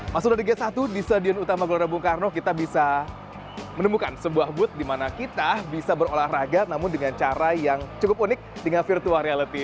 masuk dari game satu di stadion utama gelora bung karno kita bisa menemukan sebuah booth di mana kita bisa berolahraga namun dengan cara yang cukup unik dengan virtual reality